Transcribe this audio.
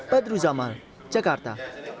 badru zamal jakarta